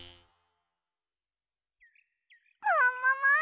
ももも！